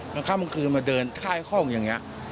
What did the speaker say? มันข้ามกลางคืนมาเดินคล้ายข้องอย่างนี้